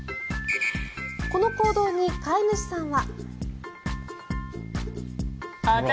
この行動に飼い主さんは。